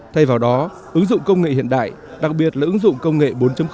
thay vào đó ứng dụng công nghệ hiện đại đặc biệt là ứng dụng công nghệ bốn